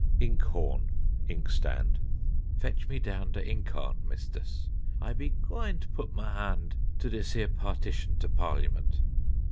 Ink horn (Inkstand): "Fetch me down de inkhorn, mistus; I be g'wine to putt my harnd to dis here partition to Parliament.